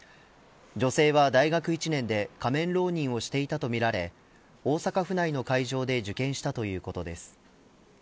女性は大学１年で仮面浪人をしていたとみられ大阪府内の会場で受験したということです